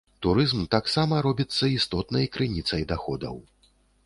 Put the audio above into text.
Турызм таксама робіцца істотнай крыніцай даходаў.